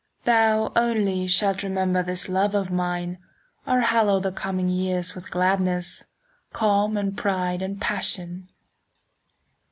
Thou only shalt remember This love of mine, or hallow 10 The coming years with gladness, Calm and pride and passion.